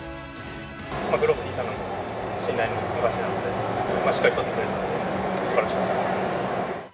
グラブを引いたのも、信頼の証しなので、しっかり捕ってくれたのですばらしかったと思います。